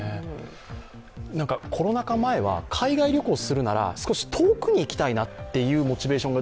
コロナ禍前は海外旅行するなら少し遠くに行きたいなっていうモチベーション